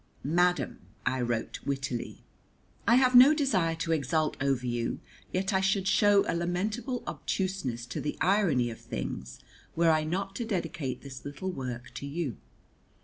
"Madam" (I wrote wittily), "I have no desire to exult over you, yet I should show a lamentable obtuseness to the irony of things were I not to dedicate this little work to you.